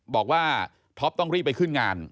บอกว่าท็อปต้องรีบไปขึ้นงาน